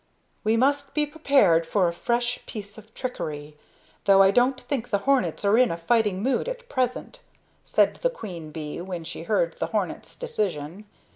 "We must be prepared for a fresh piece of trickery, though I don't think the hornets are in a fighting mood at present," said the queen bee when she heard the hornets' decision.